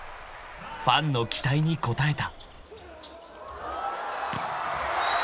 ［ファンの期待に応えた］